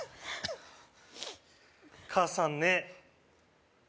母さんね